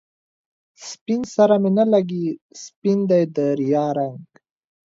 سپين سره می نه لګي، سپین دی د ریا رنګ